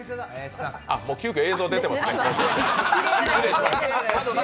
急きょ、映像、出てますね。